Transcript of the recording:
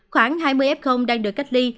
khoảng hai mươi f đang được cách ly